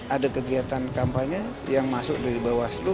ada kegiatan kampanye yang masuk dari bawah seluruh